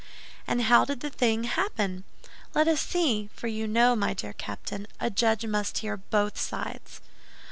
"And how did the thing happen? Let us see, for you know, my dear Captain, a judge must hear both sides."